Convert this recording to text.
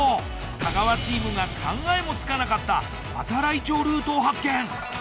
太川チームが考えもつかなかった度会町ルートを発見。